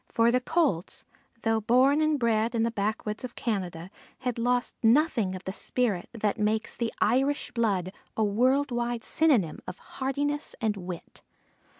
For the Colts, though born and bred in the backwoods of Canada, had lost nothing of the spirit that makes the Irish blood a world wide synonym of heartiness and wit.